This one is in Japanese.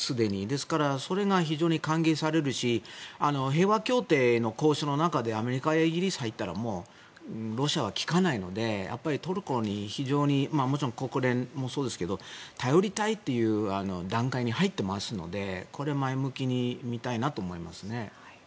ですからそれが非常に歓迎されるし平和協定の交渉の中でアメリカやイギリスが入ったらもうロシアは聞かないのでやっぱりトルコに非常にもちろん国連もそうですが頼りたいという段階に入ってますのでこれは前向きに見たいなと思いますね。